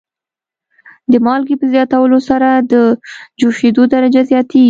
د مالګې په زیاتولو سره د جوشیدو درجه زیاتیږي.